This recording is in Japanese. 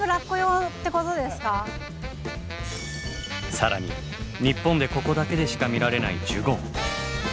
更に日本でここだけでしか見られないジュゴン。